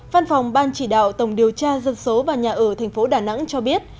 văn phòng ban chỉ đạo tổng điều tra dân số và nhà ở tp đà nẵng cho biết